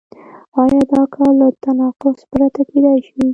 آیا دا کار له تناقض پرته کېدای شي؟